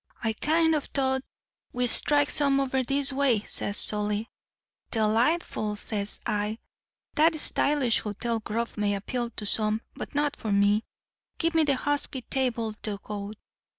"'I kind of thought we'd strike some over this way,' says Solly. "'Delightful,' says I, 'That stylish hotel grub may appeal to some; but for me, give me the husky table d'goat.